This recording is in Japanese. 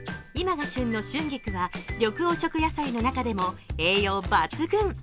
今が旬の春菊は緑黄色野菜の中でも栄養抜群。